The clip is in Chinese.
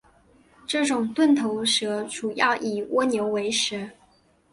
这种钝头蛇主要以蜗牛为食。